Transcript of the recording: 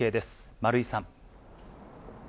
丸井さん。